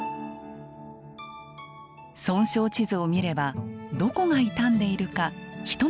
損傷地図を見ればどこが傷んでいるか一目で確認できます。